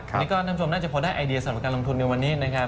นี่ก็ท่านผู้ชมน่าจะพอได้ไอเดียสำหรับการลงทุนในวันนี้นะครับ